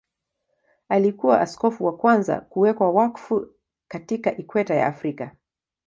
Alikuwa askofu wa kwanza kuwekwa wakfu katika Ikweta ya Afrika.